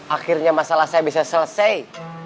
akhirnya masalah saya bisa selesai